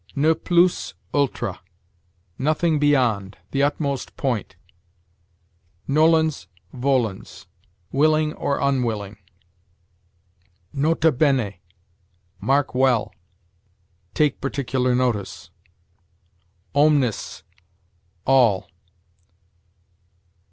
Ne plus ultra: nothing beyond; the utmost point. Nolens volens: willing or unwilling. Nota bene: mark well; take particular notice. Omnes: all.